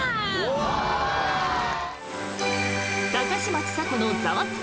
「高嶋ちさ子のザワつく！